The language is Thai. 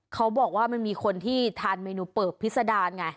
เขาบอกว่ามันมีคนที่ทานเมนูเปิบพิษดารไง